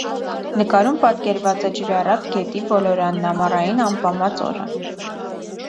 Նկարում պատկերված է ջրառատ գետի ոլորանն ամառային ամպամած օրը։